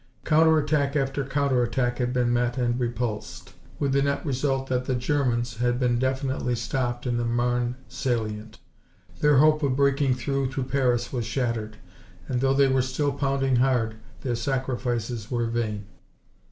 Counter attack after counter attack had been met and repulsed, with the net result that the Germans had been definitely stopped in the Marne salient. Their hope of breaking through to Paris was shattered, and though they were still pounding hard, their sacrifices were vain.